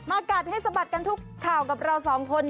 กัดให้สะบัดกันทุกข่าวกับเราสองคน